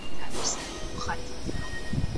په مینه کي هر څه خوندور وي.